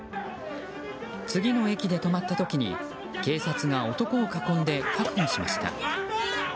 次の駅で止まった時に警察が男を囲んで確保しました。